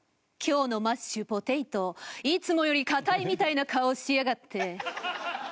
今日のマッシュポテイトいつもより硬いみたいな顔しやがって。